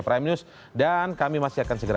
prime news dan kami masih akan segera